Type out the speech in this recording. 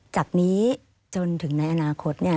จากนี้จนถึงในอนาคต